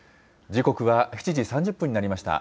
時刻は７時３０分になりました。